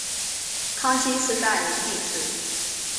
康熙四十二年进士。